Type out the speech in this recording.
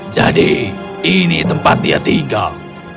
jadi ini tempat dia tinggal